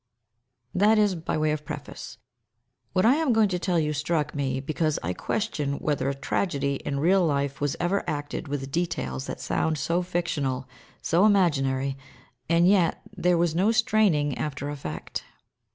That is by way of preface. What I am going to tell you struck me, because I question whether a tragedy in real life was ever acted with details that sound so fictional, so imaginary, and yet there was no straining after effect.